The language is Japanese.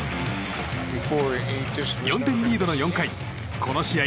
４点リードの４回この試合